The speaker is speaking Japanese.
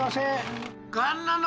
がんなの！